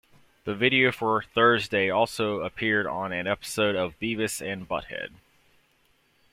The video for "Thursday" also appeared on an episode of "Beavis and Butt-head".